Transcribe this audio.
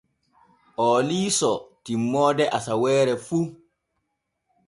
Oo liisoo timmoode asaweere fu.